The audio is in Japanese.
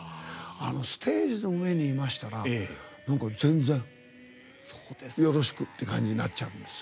ステージの上にいましたら全然「よろしく！」って感じになっちゃう。